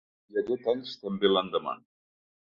Hi hagué talls també l’endemà.